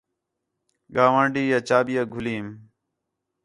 ڳوانݙی یا چابی گھلیم